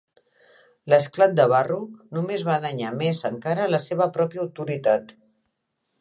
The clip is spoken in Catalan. L'esclat de Barrow només va danyar més encara la seva pròpia autoritat.